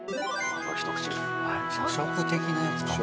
社食的なやつかな？